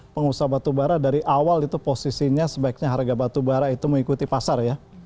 pengusaha batubara dari awal itu posisinya sebaiknya harga batubara itu mengikuti pasar ya